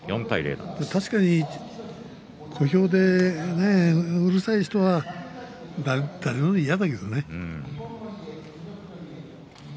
確かに小兵でうるさい人は誰でも嫌だけどね。